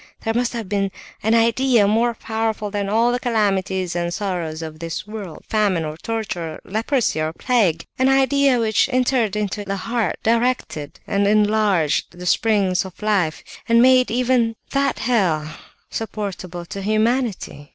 There must have been an idea more powerful than all the calamities and sorrows of this world, famine or torture, leprosy or plague—an idea which entered into the heart, directed and enlarged the springs of life, and made even that hell supportable to humanity!